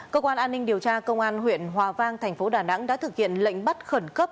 cơ quan an ninh điều tra công an huyện hòa vang thành phố đà nẵng đã thực hiện lệnh bắt khẩn cấp